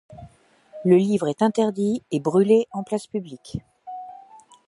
Le livre est interdit et brûlé en place publique.